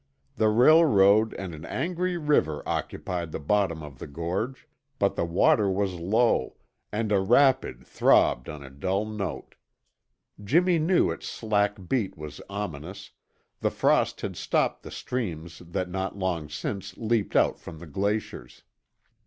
The railroad and an angry river occupied the bottom of the gorge, but the water was low and a rapid throbbed on a dull note. Jimmy knew its slack beat was ominous; the frost had stopped the streams that not long since leaped out from the glaciers.